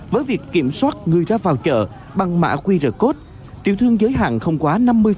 với việc kiểm soát người ra vào chợ bằng mã qr code tiểu thương giới hạn không quá năm mươi